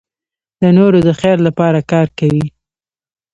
د نورو د خیر لپاره کار کوي.